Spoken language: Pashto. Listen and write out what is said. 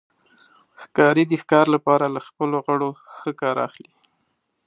ښکاري د ښکار لپاره له خپلو غړو ښه کار اخلي.